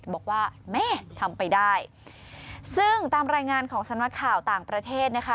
บอกว่าแม่ทำไปได้ซึ่งตามรายงานของสำนักข่าวต่างประเทศนะคะ